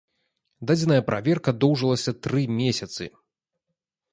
Дадзеная праверка доўжылася тры месяцы.